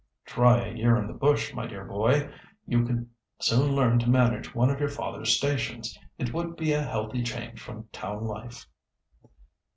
"Try a year in the bush, my dear boy. You could soon learn to manage one of your father's stations. It would be a healthy change from town life."